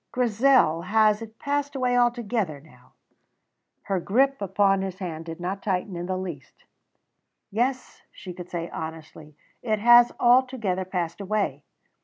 "Grizel, has it passed away altogether now?" Her grip upon his hand did not tighten in the least. "Yes," she could say honestly, "it has altogether passed away."